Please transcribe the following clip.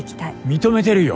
認めてるよ！